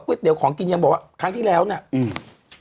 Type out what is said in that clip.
ก๋วยเต๋วของกินยังบอกว่าครั้งที่แล้วเนี่ย